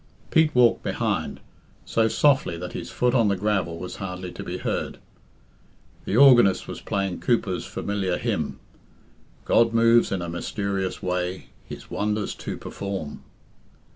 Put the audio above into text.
Pete walked behind, so softly that his foot on the gravel was hardly to be heard. The organist was playing Cowper's familiar hymn "God moves in a mysterious way His wonders to perform."